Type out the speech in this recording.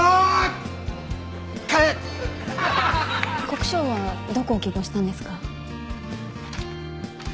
国生はどこを希望したんですか？